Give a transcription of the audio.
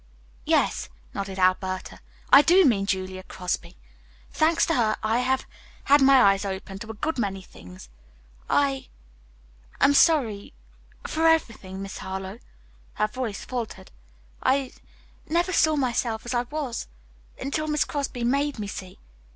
"Yes," nodded Alberta. "I do mean Julia Crosby. Thanks to her, I have had my eyes opened to a good many things. I am sorry for everything, Miss Harlowe." Her voice faltered. "I never saw myself as I was until Miss Crosby made me see.